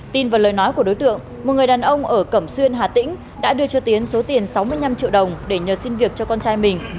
tin vào lời nói của đối tượng một người đàn ông ở cẩm xuyên hà tĩnh đã đưa cho tiến số tiền sáu mươi năm triệu đồng để nhờ xin việc cho con trai mình